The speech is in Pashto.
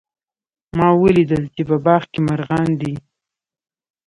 ما ولیدل چې په باغ کې مرغان دي